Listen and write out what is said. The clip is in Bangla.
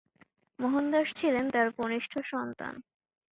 মোহনদাস ছিলেন তার কনিষ্ঠ সন্তান।